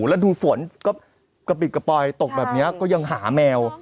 แล้วดูฝนก็กระปิดกระป๋อยตกแบบนี้ก็ยังหาแมว